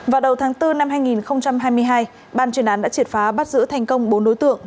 vào đầu tháng bốn năm hai nghìn hai mươi hai ban chuyên án đã triệt phá bắt giữ thành công bốn đối tượng